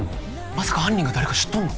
まさか犯人が誰か知っとんの？